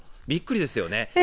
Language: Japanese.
びっくりですよね。